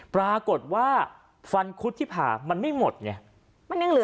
ปรากฏว่าฟันคุดที่ผ่ามันไม่หมดเนี่ย